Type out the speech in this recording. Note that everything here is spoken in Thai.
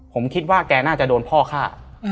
ผมคิดว่าแกน่าจะโดนพ่อฆ่า